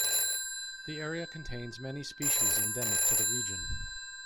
The area contains many species endemic to the region.